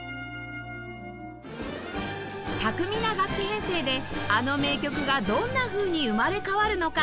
巧みな楽器編成であの名曲がどんなふうに生まれ変わるのか？